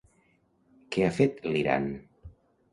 Què ha fet l'Iran?